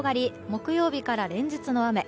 木曜日から連日の雨。